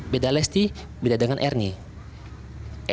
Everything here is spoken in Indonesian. beda lesti beda dengan ernie